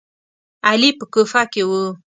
علي په کوفه کې و.